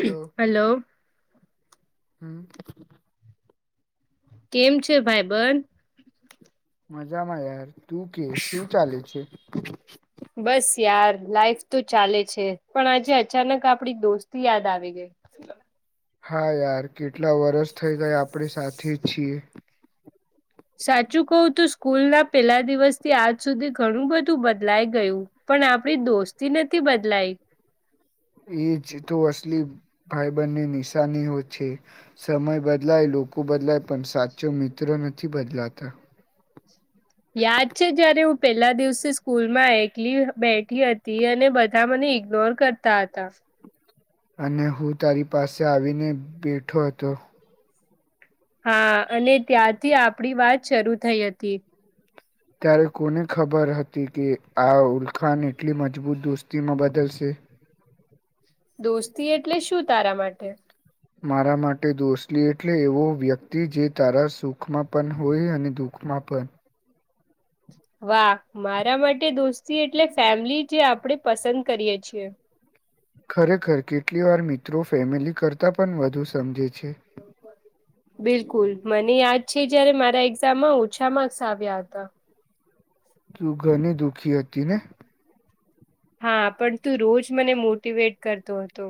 Hello hello હમ કેમ છે ભાઈ બન મજામાં યાર તું કે શું ચાલે છે? બસ યાર લાાઈફ તો ચાલે છે પણ આજે અચાનક આપડી દોસ્તી યાદ આવી ગઈ [inaudible] હા યાર કેટલા વરષ થઈ ગયા આપણે સાથે છીએ. સાચું કવું તું સ્કૂલ ના પેલા દિવસ થી આજ સુધી ઘણું બધું બદલાય ગયું. પણ આપડી દોસ્તી નથી. બદલાઈ એ જ તો અસલી ભાઈ બંધની નિશાની હો છે સમય બદલાયલો લોકોું બદલાય પણ સાચો મિત્રો નથી બદલાતા યાદ છે જયારે હું પેલા દિવસે સ્કૂલમાં એકલી બેઠી હતી અને બધા મને ઈગ્નોર કરતા હતા અને હું તારી પાસે આવીને બેઠો હતો. હા અને ત્યાંથી આપડી વાત શરૂ થઈ હતી ત્યારે કોને ખબર હતી કે આ ઉલખાન એટલી મજબૂત દોસ્તીમાં બદલશે [inaudible] દોસ્તી એટલે શું તારા માટે મારા માટે દોસ્તી એટલે એવો વ્યક્તિ જે તારા સુખમાં પણ હોય અને દુઃખમાં માપ વાહ મારા માટે દોસ્તી એટલે ફેમિલી જે આપણે પસંદ કરીએ છીએ. ખરેખર કેટલી વાર મિત્રો ફેમિલી કરતા પણ વધુ સમજે છે. બિલકુલ મને યાદ છે જયારે મારા એક્ઝામમાં ઓછા માર્ક્સ આવ્યા હતા તું ઘણી દુખી હતી ને હા પણ તું રોજ મને મોટીવેટ કરતો હતો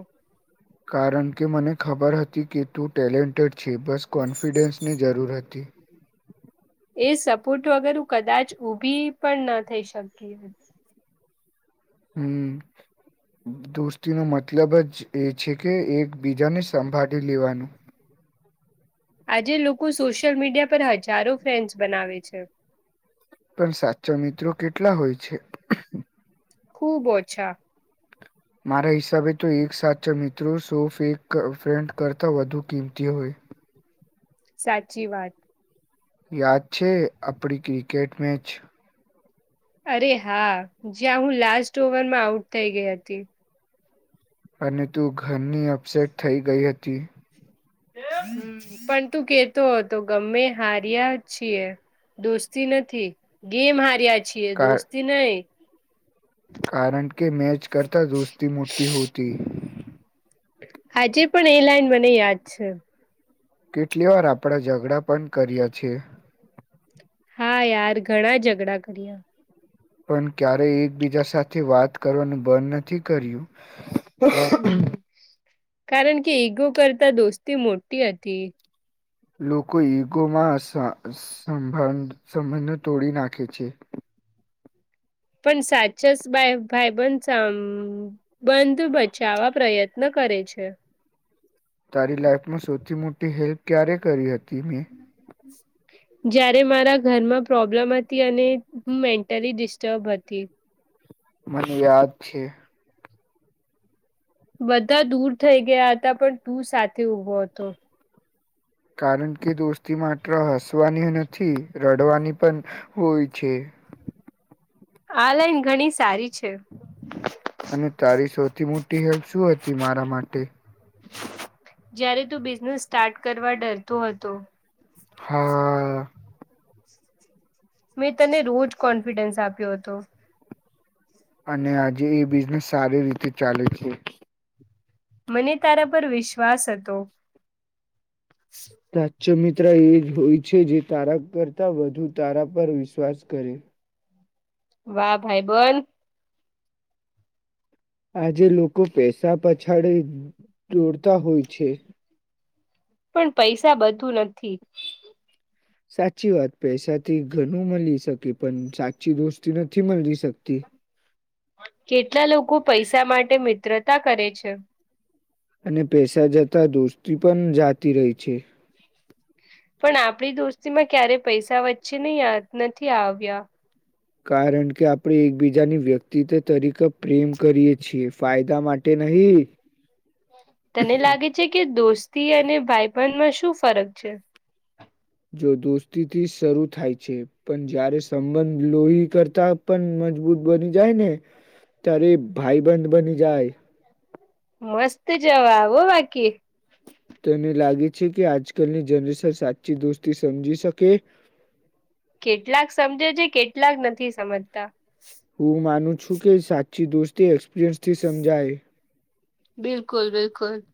કારણ કે મને ખબર હતી કે તું ટેલેન્ટેડ છે બસ કોન્ફિડન્સની જરૂર હતી સપોટ વગર હુ કદાચ ઊભી પણ ન થઈ શકી હમ દોસ્તી ન મતલબ જ એ છે. કે એકબીજાને સંભાળી લેવાનું [inaudible] આજે લોકો સોશિયલ મીડિયા પર હજારો ફેન્સ બનાવે છે. પણ સાચો મિત્રો કેટલા હોય છે. ખૂબ ઓછા. મારા હિસાબે તો એક સાચો મિત્ર સો ફેંક ફ્રેન્ડ કરતા વધુ કિંમતી હોય. [inaudible] સાચી વાત યાદ છે. આપડી ક્રિકેટ મેચ અરે હા જ્યાં હું લાસ્ટ ઓવરમાં આઉટ થઈ ગઈ હતી અને તું ઘરની અપસેટ થઈ ગઈ હતી. પણ તું કેતો હતો ગમે હાર્યા છીએ. દોસ્તી નથી ગેમ હાર્યા છીએ કાર દોસ્તી નઈ. કારણ કે મેચ કરતા દોસ્તી મોટી હોતી. આજે પણ એ લાઈન મને યાદ છે. કેટલી વાર આપડા ઝઘડા પણ કર્યા છીએ. હા યાર ઘણા ઝગડા કર્યા. પણ ક્યારેય એકબીજા સાથે વાત કરવાનું બંધ નથી કર્યું. હ કારણ કે ઈગો કરતા દોસ્તી મોટી હતી. લોકો ઇગોમાં સંબંધો તોડી નાખે છે. પણ સાચે ભાઈબંધ સંબંધ બચાવવા પ્રયત્ન. કરે છે. તારી લાઈફમાં સૌથી મોટી હેલ્પ ક્યારે કરી હતી મેં. બ [unintelligible] જાયારે મારા ઘરમાં પ્રોબ્લમ હતી અને હું મેન્ટલી ડિસ્ટર્બ હતી. મને યાદ છે. બધા દૂર થઈ ગયા હતા પણ તું સાથે ઊભો હતો. કારણ કે દોસ્તી માત્ર હસવાની નથી રડવાની પણ હોય છે. [inaudible] આ લાઈન ઘણી સારી છે. અને તારી સૌથી મોટી હેલ્પ શું હતી મારા માટે? જયારે તું બિઝનેસ સ્ટાર્ટ કરવા ડરતો હતો. હા મેં તને રોજ કોન્ફિડન્સ આપ્યો હતો. અને આજે એ બિઝનેસ સારી રીતે ચાલે છે. મને તારા પર વિશ્વાસ હતો. સાચો મિત્ર મિત્ર એ જ હોય છે. જે તારા કરતા વધુ તારા પર વિશ્વાસ કરે. વાહ ભાઈબંધ. આજે લોકો પૈસા પછાડે દોડતા હોય છે. પણ પૈસા બધું નથી. સાચી વાત પૈસાથી ઘણું મળી શકે પણ સાચી દોસ્તી નથી મળી શકે કેટલા લોકો પૈસા માટે મિત્રતા કરે છે. અને પેસા જતા દોસ્તી પણ જાતી રહી છે. પણ આપડી દોસ્તીમાં ક્યારે પૈસા વચ્ચે નહી નથી આવ્યા. કારણ કે આપણે એકબીજાની વ્યક્તિત્વ તરીકે પ્રેમ કરીએ છીએ ફાયદા માટે નહી તને લાગે છે કે દોસ્તી અને ભાઈબંધમાં શું ફરક છે? જો દોસ્તીથી શરૂ થાય છે પણ જયારે સંબંધ લોહી કરતા પણ મજબૂત બની જાય ને ત્યારે ભાઈબંધ બની જાય. મસ્ત જવાબ હો બાકી તેન લાગે છે કે આજકાલની જનરેશન સાચી દોસ્તી સમજી શકે? [unintelligible] કેટલાક સમજે છે, કેટલાક નથી સમજતા હું માનું છું, કે સાચી દોસ્તી એક્સપિરિયન્સ થી સમજાય બિલકુલ બિલકુલ.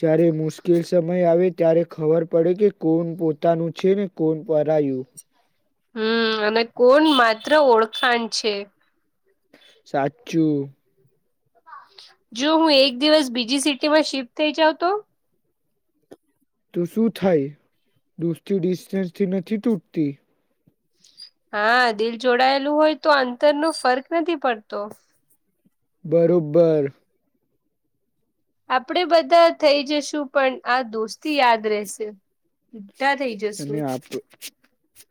જારે મુશ્કેલ સમય આવે ત્યારે ખબર પડે કે કોણ પોતાનું છે, ને કોણ પરાયું હમ અને કોણ માત્ર ઓળખાણ છે, સાચું જો હું એક દિવસ બીજી સિટીમાં શિફ્ટ થઇ જાઉં તો તો શું થાય દુસ્તી ડિસ્ટન્સથી નથી તૂટતી. હા દિલ જોડાયેલું હોય તો અંતર ન ફર્ક નથી પડતો. બરોબર. આપડે બધા થઈ જશું પણ આ દોસ્તી યાદ રશે અને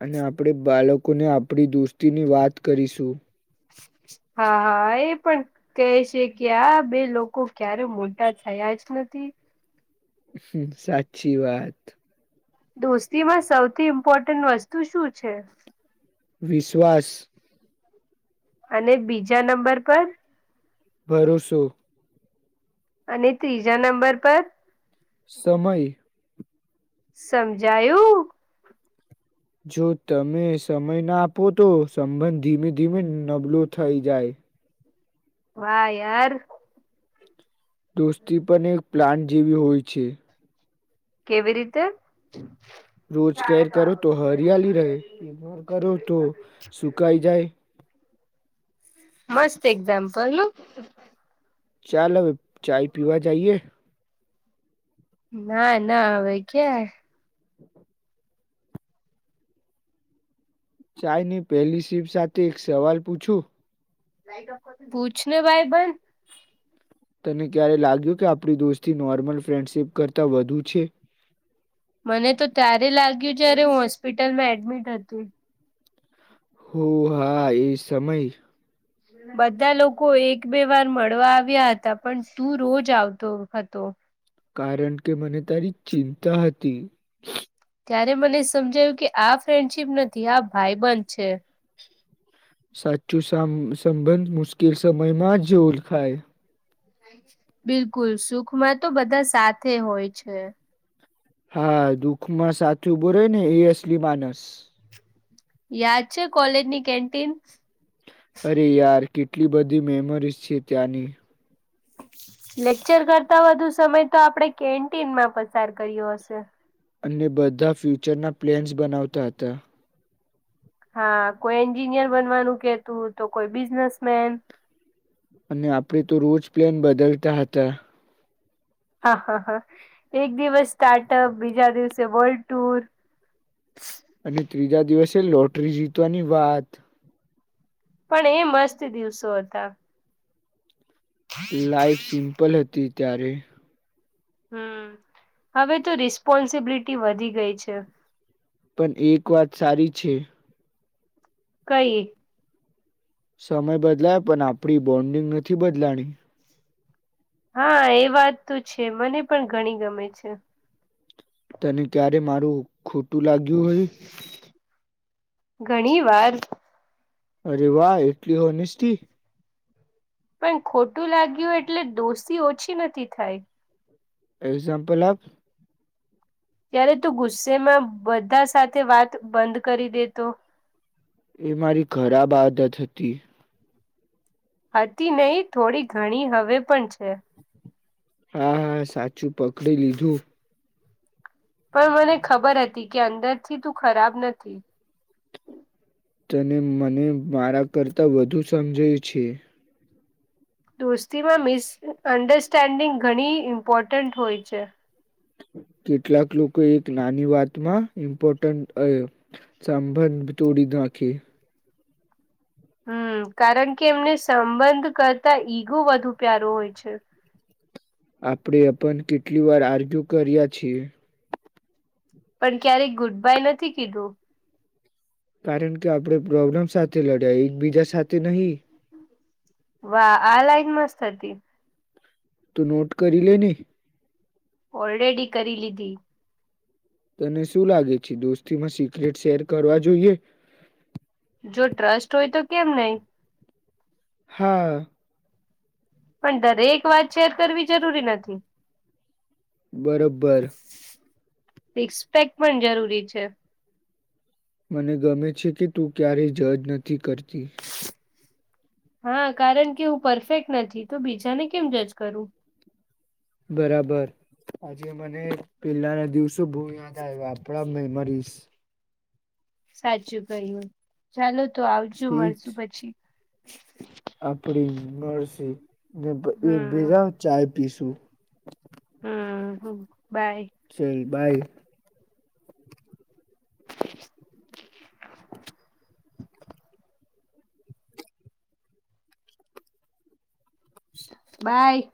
અને આપડ બાળક લોકોને આપણી દોસ્તીની વાત કરીશું હા હા એ પણ કેહે છે, કે આ બે લોકો ક્યારે મોટા થયા જ નથી સાચી વાત દોસ્તીમાં સૌથી ઇમ્પોર્ટન્ટ વસ્તુ શું છે? વિશ્વાસ અને બીજા નંબર પર? ભરોસો અને ત્રીજા નંબર પર? સમય સમજાયું જો તમે સમય ના આપો તો સંબંધ ધીમે ધીમે નબળો થઈ જાય. વાહ યાર દોસ્તી પણ એક પ્લાન જેવી હોય છે. કેવી રીતે? રોજકેર કરો તો હરિયાલી રહે ઇગ્નોર કરો તો સુકાઈ જાય. મસ્ત એક્ઝામ્પલ. ચાલ હવે ચાય પીવા જઈએ ના ના હવે ક્યા ચાય ની પહેલી સીપ સાથે એક સવાલ પૂછું? પૂછને ભાઈબંધ તને ક્યારે લાગ્યું કે આપડી દોસ્તી નોર્મલ ફ્રેન્ડશીપ કરતા વધુ છે. મને તો ત્યારે લાગ્યું જ્યારે હું હોસ્પિટલમાં એડમિટ હતી હ હા એ સમય બધા લોકો એક બે વાર મળવા આવ્યા હતા પણ તું રોજ આવતો હતો કારણ કે મને તારી ચિંતા હતી. ત્યારે મને સમજાયું કે આ ફ્રેન્ડશીપ નથી આ ભાઈબંધ છે. સાચો સામ સંબંધ મુશ્કેલ સમયમાં જ ઓળખાય. બિલકુલ સુખમાં તો બધા સાથે હોય છે. હા દુઃખ માં સાથે ઉભો રય ને એ અસલી માનસ. યાદ છે કોલેજની કેન્ટીન? અરે યાર કેટલી બધી મેમરીઝ છે ત્યાંની. લેક્ચર કરતા વધુ સમય તો આપડે કેન્ટીનમાં પસાર કર્યો હશે. અને બધા ફ્યુચરના પ્લેન્સ બનાવતા હતા. હા કોઈ એન્જિનિયર બનવાનું કેતું તો કોઈ બિઝનેસમેન અને આપડે તો રોજ પ્લેન બદલતા હતા. હા હા એક દિવસ સ્ટાર્ટઅપ બીજા દિવસે વર્લ્ડ ટુર અને ત્રીજા દિવસે લોટરી જીતવાની વાત પણ એ મસ્ત દિવસો હતા લાાઈફ સિમ્પલ હતી ત્યારે હમ હવે તો રિસ્પોન્સિબિલિટી વધી ગઈ છે. પણ એક વાત સારી છે કઈ સમય બદલાય પણ આપડી બોન્ડિંગ નથી બદલાણી. હા એ વાત તો છે મને પણ ઘણી ગમે છે તને ક્યારે મારું ખોટું લાગ્યું હોય ઘણી વાર અરે વાહ એટલી હોનસ્ટિ. પણ ખોટું લાગ્યું એટલે દોષી ઓછી નથી થાય એક્ઝામ્પલ આપ. ત્યારે તું ગુસ્સેમાં બધા સાથે વાત બંધ કરી દેતો. એ મારી ખરાબ આદત હતી હતી નહીં થોડી ઘણી હવે પણ છે હા હા સાચું પકડી લીધું પણ મને ખબર હતી કે અંદરથી તું ખરાબ નથી તને મને મારા કરતા વધુ સમજાય છે દોસ્તીમાં મિસઅન્ડરસ્ટેન્ડિંગ ઘણી ઇમ્પોર્ટન્ટ હોય છે કેટલાક લોકો એક નાની વાતમાં ઇમ્પોર્ટન્ટ સાભંધ તોડી નાખી હમ કારણ કે એમને સંબંધ કરતા ઈગો વધુ પ્યારો હોય છે આપડે પણ કેટલી વાર આર્ગ્યુ કર્યા છીએ પણ ક્યારેક ગુડ બાય નથી કીધું કારણ કે આપડે પ્રોબ્લેમ સાથે લડ્યા એક બીજા સાથે નહી વાહ આ લાઈન મસ્ત હતી તો નોટ કરી લે ન ઓલરેડી કરી લીધી તને શું લાગે છે દોસ્તી માં સિક્રેટ શેર કરવા જોઈએ જો ટ્રસ્ટ હોય તો કેમ નહી હા પણ દરેક વાત શેર કરવી જરૂરી નથી બરોબર રિસ્પેક્ટ પણ જરૂરી છે મને ગમે છે કે તું ક્યારેય જજ નથી કરતી હા કારણ કે હું પરફેક્ટ નથી તો બીજાને કેમ જજ કરું બરાબર આજે મને પેલા ના દિવસે શુંભું યાદ એવા આપડા મે મરીશ સાચું કહ્યું ચાલો તો આવજો ઠીક મળશુ પછી, એ એક હમ ભેજા ચાય પીસું હમ હ બાય ચલ બાય [unintelligible] બાય